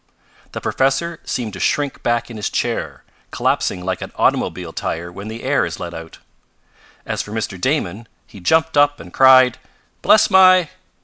The professor seemed to shrink back in his chair, collapsing like an automobile tire when the air is let out. As for Mr. Damon he jumped up and cried: "Bless my